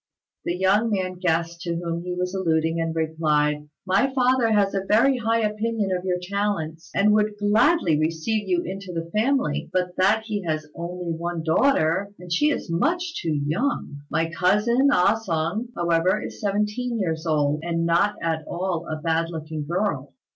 The young man guessed to whom he was alluding, and replied, "My father has a very high opinion of your talents, and would gladly receive you into the family, but that he has only one daughter, and she is much too young. My cousin, Ah sung, however, is seventeen years old, and not at all a bad looking girl.